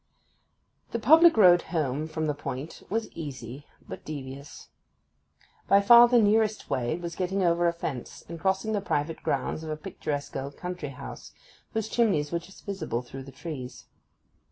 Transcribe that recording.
The public road home from this point was easy but devious. By far the nearest way was by getting over a fence, and crossing the private grounds of a picturesque old country house, whose chimneys were just visible through the trees.